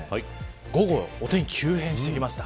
午後、お天気急変してきました。